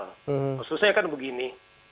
khususnya kan begini